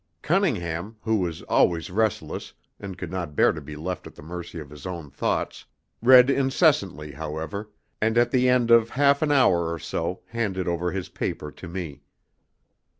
Cunningham (who was always restless, and could not bear to be left at the mercy of his own thoughts) read incessantly, however, and at the end of half an hour or so handed over his paper to me.